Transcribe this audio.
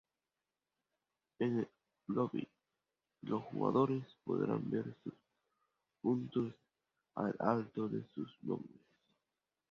En el "lobby", los jugadores podía ver sus puntos al lado de sus nombres.